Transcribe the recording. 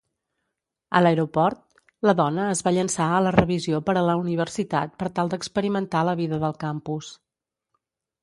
A l'aeroport, la dona es va llançar a la revisió per a la universitat per tal d'experimentar la vida del campus.